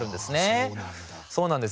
ああそうなんだ。